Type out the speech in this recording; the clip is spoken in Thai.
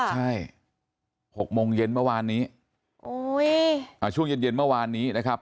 ใช่๖โมงเย็นเมื่อวานนี้โอ้ยอ่าช่วงเย็นเย็นเมื่อวานนี้นะครับ